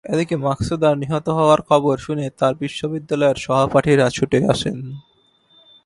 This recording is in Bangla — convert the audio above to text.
এদিকে মাকসুদার নিহত হওয়ার খবর শুনে তাঁর বিশ্ববিদ্যালয়ের সহপাঠীরা ছুটে আসেন।